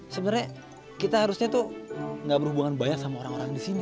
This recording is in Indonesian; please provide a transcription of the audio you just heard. sebenernya kita harusnya tuh gak berhubungan banyak sama orang orang disini